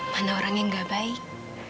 mana orang yang gak baik